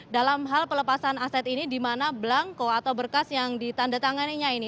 dalam hal pelepasan aset ini di mana belangko atau berkas yang ditandatanganinya ini